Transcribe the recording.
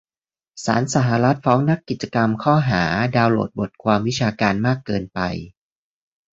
ศาลสหรัฐฟ้องนักกิจกรรมช้อหา "ดาวน์โหลดบทความวิชาการมากเกินไป"